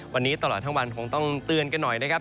วันนี้ตลอดทั้งวันคงต้องเตือนกันหน่อยนะครับ